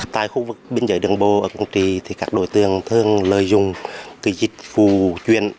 tại khu vực biên giới đường bộ ở quảng trị các đối tượng thường lợi dụng kỳ dịch phù chuyển